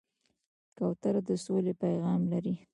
کوتره د سولې پیغام لري.